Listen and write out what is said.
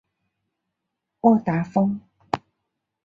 沃达丰